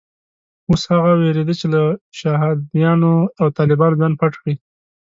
اوس هغه وېرېده چې له شهادیانو او طالبانو ځان پټ کړي.